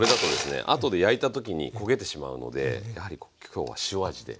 あとで焼いた時に焦げてしまうのでやはり今日は塩味で。